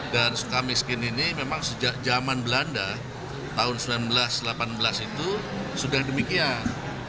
dan suka miskin ini memang sejak zaman belanda tahun seribu sembilan ratus delapan belas itu sudah demikian